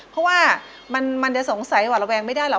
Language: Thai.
เพราะว่ามันจะสงสัยหวาดระแวงไม่ได้หรอก